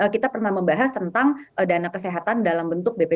kita pernah membahas tentang dana kesehatan dalam bentuk bpjs